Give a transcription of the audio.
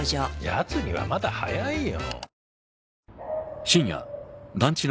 やつにはまだ早いよ。